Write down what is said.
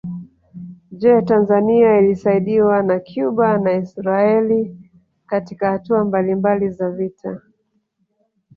Je Tanzania ilisaidiwa na Cuba na Israeli Katika hatua mbalimbali za vita